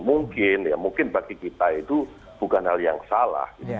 mungkin ya mungkin bagi kita itu bukan hal yang salah